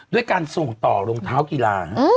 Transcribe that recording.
ด้วยการส่งต่อรองเท้ากีฬา